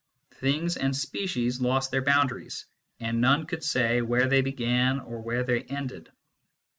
Things and species lost their boundaries, and none could say where they began or where they ended.